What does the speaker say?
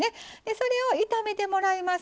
それを炒めてもらいます。